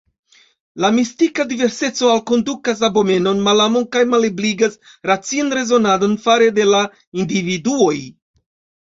La mistika diverseco alkondukas abomenon, malamon kaj malebligas racian rezonadon fare de la individuoj.